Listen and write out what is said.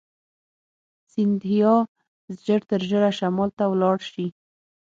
سیندهیا ژر تر ژره شمال ته ولاړ شي.